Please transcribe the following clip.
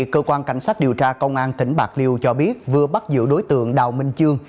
cơ quan cảnh sát điều tra công an tỉnh bạc liêu cho biết vừa bắt giữ đối tượng đào minh trương